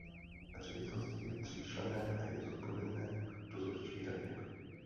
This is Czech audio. Ředitelství je tříčlenné a je zodpovědné dozorčí radě.